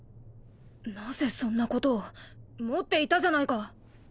何故そんなことを持っていたじゃないか。